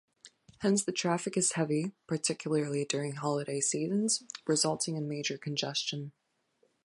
Hence the traffic is heavy, particularly during holiday seasons, resulting in major congestion.